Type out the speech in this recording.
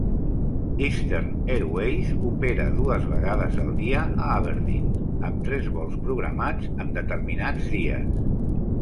Eastern Airways opera dues vegades al dia a Aberdeen amb tres vols programats en determinats dies.